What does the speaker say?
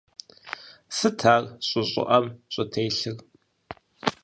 Сыт ар щӀы щӀыӀэм щӀытелъыр?